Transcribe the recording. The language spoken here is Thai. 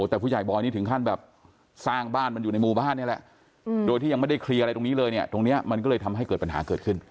แต่ผู้ใหญ่บอยนี่ถึงขั้นแบบสร้างบ้านมันอยู่ในหมู่บ้านนี่แหละโดยที่ยังไม่ได้เคลียร์อะไรตรงนี้เลยเนี่ยตรงนี้มันก็เลยทำให้เกิดปัญหาเกิดขึ้น